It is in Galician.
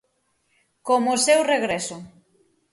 Como o seu regreso.